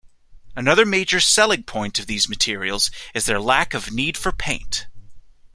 Another major selling point of these materials is their lack of need for paint.